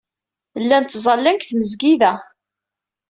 Llan ttẓallan deg tmesgida.